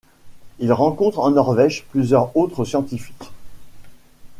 Il rencontre en Norvège plusieurs autres scientifiques.